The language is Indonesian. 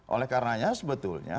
oleh karenanya sebetulnya